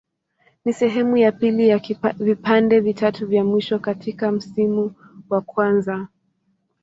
Ni sehemu ya pili ya vipande vitatu vya mwisho katika msimu wa kwanza.